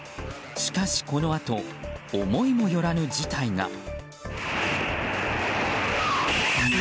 しかし、このあと思いもよらぬ事態が。